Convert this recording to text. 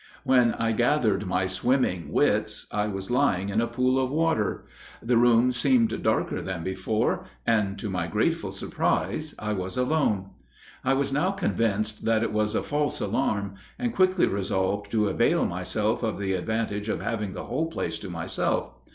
When I gathered my swimming wits I was lying in a pool of water. The room seemed darker than before; and, to my grateful surprise, I was alone. I was now convinced that it was a false alarm, and quickly resolved to avail myself of the advantage of having the whole place to myself.